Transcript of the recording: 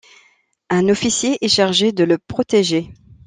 Un officier est chargé de le protéger.